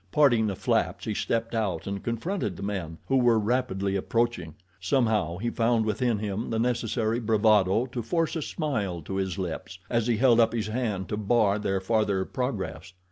Parting the flaps he stepped out and confronted the men, who were rapidly approaching. Somehow he found within him the necessary bravado to force a smile to his lips, as he held up his hand to bar their farther progress.